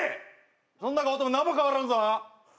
そん中おっても何も変わらんぞ。